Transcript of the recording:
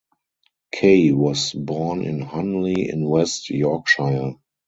Kaye was born in Honley in West Yorkshire.